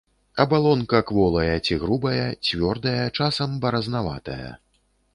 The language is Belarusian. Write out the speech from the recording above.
Абалонка кволая ці грубая, цвёрдая, часам баразнаватая.